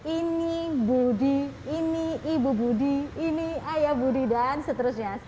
ini budi ini ibu budi ini ayah budi dan seterusnya